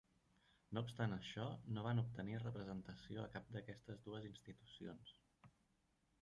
No obstant això, no van obtenir representació a cap d'aquestes dues institucions.